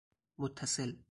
متصل